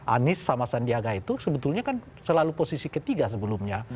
anies sama sandiaga itu sebetulnya kan selalu posisi ketiga sebelumnya